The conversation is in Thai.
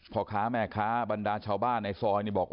อยากจะทับย้ายเขาไปอีก